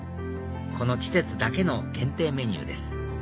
この季節だけの限定メニューです